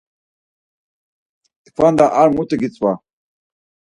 Tkvanda ar mutu gitzva.